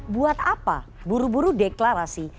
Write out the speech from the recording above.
buat apa buru buru deklarasi